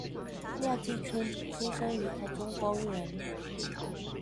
廖繼春出生於台中豐原